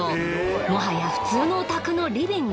もやは普通のお宅のリビング。